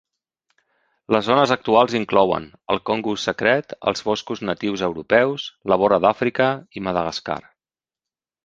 Les zones actuals inclouen: el Congo Secret, els boscos natius europeus, la vora d'Àfrica i Madagascar.